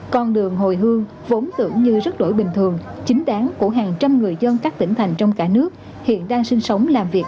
con đường hồi hương vốn tưởng như rất đổi bình thường chính đáng của hàng trăm người dân các tỉnh thành trong cả nước hiện đang sinh sống làm việc